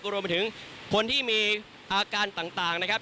รวมไปถึงคนที่มีอาการต่างนะครับ